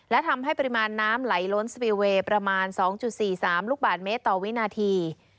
และทำให้ปริมาณน้ำไหลล้นสปีลเวย์ประมาณ๒๔๓ลูกบาทเมตรต่อวินาที